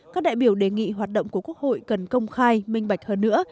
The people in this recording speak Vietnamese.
các đại biểu đề nghị hoạt động của quốc hội cần công khai minh bạch hơn nữa